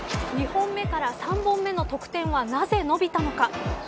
２本目から３本目の得点はなぜ伸びたのか。